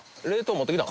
持ってきたん？